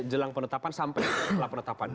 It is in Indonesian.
jelang penetapan sampai ke pelat penetapan